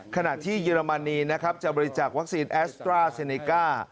ขณะที่เยอรมนีจะบริจาควัคซีนแอสเตอร์ซีเนก้า